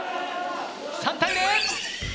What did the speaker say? ３対０。